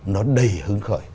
nó đầy hứng khởi